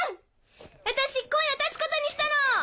私今夜発つことにしたの。